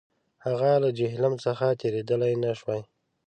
هغه له جیهلم څخه تېرېدلای نه شوای.